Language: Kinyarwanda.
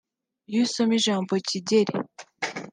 Iyo usoma ijambo Kigeli